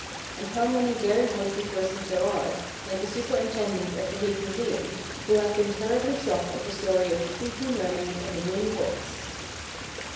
And how many very worthy persons there are, like the superintendent of the Hague Museum, who have been terribly shocked at the story of the Fejee Mermaid and the Woolly Horse!